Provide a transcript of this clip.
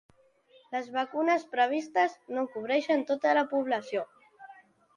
Les vacunes previstes no cobreixen tota la població.